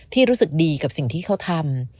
รู้สึกดีกับสิ่งที่เขาทำ